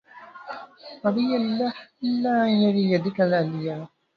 أبى الله إلا أن يرى يدك العليا